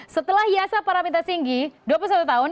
setelah hiasa para pita singgi dua puluh satu tahun